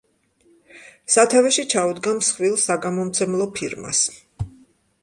სათავეში ჩაუდგა მსხვილ საგამომცემლო ფირმას.